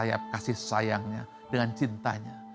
sayap kasih sayangnya dengan cintanya